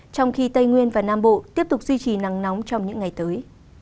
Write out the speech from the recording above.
trong khi tây nguyên và nam bộ tiếp tục duy trì nắng nóng trong những ngày tới